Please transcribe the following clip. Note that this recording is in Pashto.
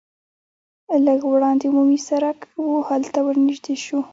لږ وړاندې عمومي سرک و هلته ور نږدې شوو.